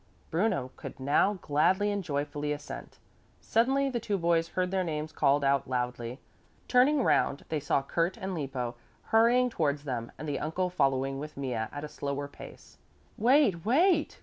Bruno could now gladly and joyfully assent. Suddenly the two boys heard their names called out loudly. Turning round they saw Kurt and Lippo hurrying towards them and the uncle following with Mea at a slower pace. "Wait, wait!"